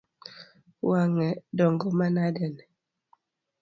Wang’e dongo manade?